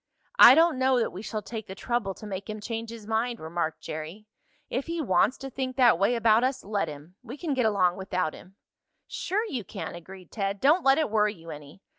"I don't know that we shall take the trouble to make him change his mind," remarked Jerry. "If he wants to think that way about us, let him. We can get along without him." "Sure you can!" agreed Ted. "Don't let it worry you any.